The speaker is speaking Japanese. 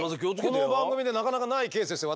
この番組でなかなかないケースですよ